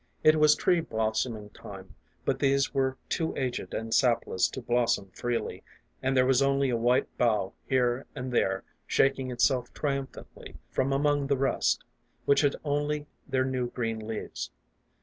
It was tree blossoming time, but these were too aged and sapless to blossom freely, and there was only a white bough here and there shaking itself triumphantly from among the rest, which had only their new green leaves.